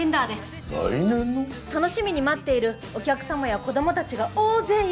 楽しみに待っているお客様や子どもたちが大勢いるはずです。